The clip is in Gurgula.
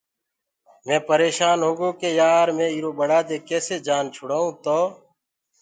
مي پريشآنٚ هوگو ڪي يآر مي ايٚرو ٻڙآ دي ڪيسي جآن ڇُڙآئونٚ تو